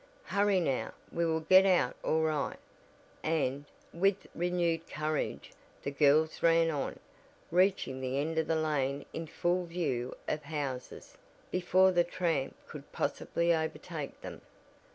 Hurry now, we will get out all right." And, with renewed courage, the girls ran on, reaching the end of the lane in full view of houses, before the "tramp" could possibly overtake them.